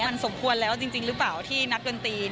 มันสมควรแล้วจริงหรือเปล่าที่นักดนตรี